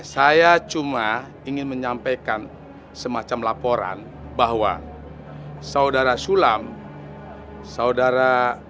saya cuma ingin menyampaikan semacam laporan bahwa saudara sulam saudara